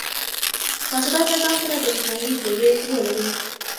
تاسي باید له ځان سره برېښنایی ډېوې ولرئ.